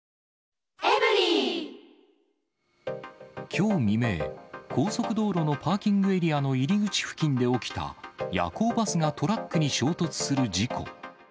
きょう未明、高速道路のパーキングエリアの入り口付近で起きた夜行バスがトラックに衝突する事故。